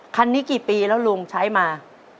คันนี้กี่ปีแล้วลุงใช้มา